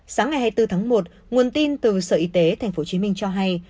sáng ngày hai mươi bốn tháng một nguồn tin từ sở y tế tp hcm cho hay